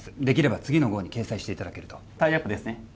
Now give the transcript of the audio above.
できれば次の号に掲載していただけるとタイアップですね